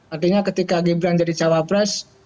artinya ketika gibran jadi cawapres